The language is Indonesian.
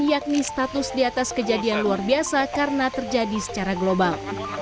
yakni status di atas kejadian luar biasa karena terjadi secara global